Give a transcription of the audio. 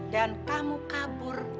dan kamu kabur